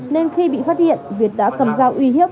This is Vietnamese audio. nên khi bị phát hiện việt đã cầm dao uy hiếp